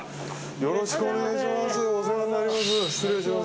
よろしくお願いします。